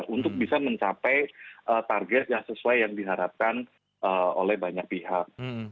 untuk bisa mencapai target yang sesuai yang diharapkan oleh banyak pihak